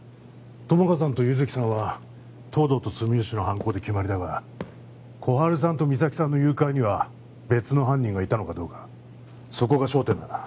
友果さんと優月さんは東堂と住吉の犯行で決まりだが心春さんと実咲さんの誘拐には別の犯人がいたのかどうかそこが焦点だな